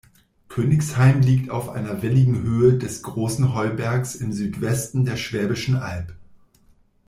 Königsheim liegt auf einer welligen Höhe des Großen Heubergs im Südwesten der Schwäbischen Alb.